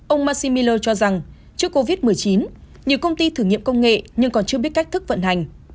ông massimiller cho rằng trước covid một mươi chín nhiều công ty thử nghiệm công nghệ nhưng còn chưa biết cách thức vận hành